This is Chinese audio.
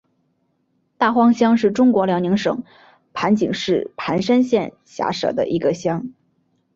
大荒乡是中国辽宁省盘锦市盘山县下辖的一个乡。